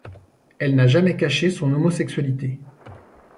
Elle n'a jamais caché son homosexualité.